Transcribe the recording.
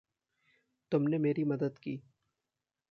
तुमने मेरी मदद की।